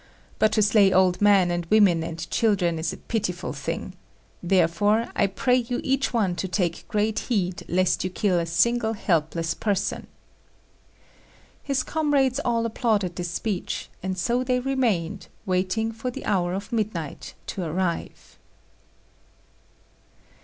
But to slay old men and women and children is a pitiful thing; therefore, I pray you each one to take great heed lest you kill a single helpless person." His comrades all applauded this speech, and so they remained, waiting for the hour of midnight to arrive.